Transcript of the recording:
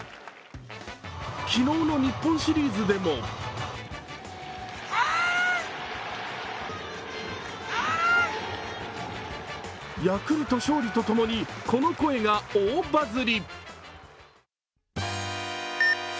昨日の日本シリーズでもヤクルト勝利とともに、この声が大バズり。